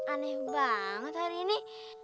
aneh banget hari ini